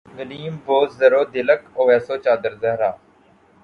Gleam بو ذر و دلق اویس و چادر زہرا